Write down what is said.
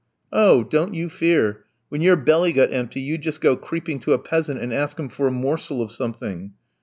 "Oh, don't you fear, when your belly got empty you'd just go creeping to a peasant and ask him for a morsel of something."